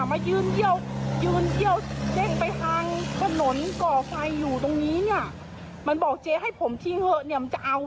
มันบอกเจ๊ให้ผมทิ้งเหอะเขาจะเอาเนี่ย